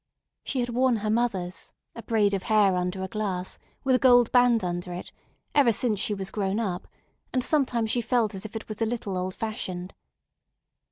She had worn her mother's, a braid of hair under a glass, with a gold band under it, ever since she was grown up; and sometimes she felt as if it was a little old fashioned.